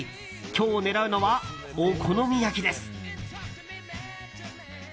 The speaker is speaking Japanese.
今日狙うのは、お好み焼きです。